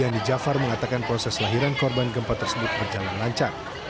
ayah bayi zainal abidin menyatakan proses lahiran korban gempa tersebut berjalan lancar